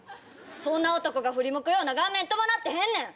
そんな男が振り向くような顔面伴ってへんねん！